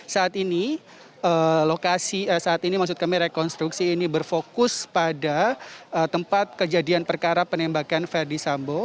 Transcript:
saat ini rekonstruksi ini berfokus pada tempat kejadian perkara penembakan ferdis sambo